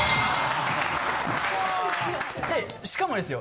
しかもですよ